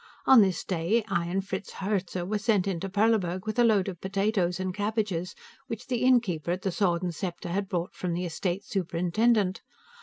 On this day, I and Fritz Herzer were sent into Perleburg with a load of potatoes and cabbages which the innkeeper at the Sword & Scepter had bought from the estate superintendent.